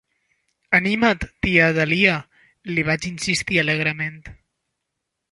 "Anima't, tia Dahlia", li vaig insistir alegrement.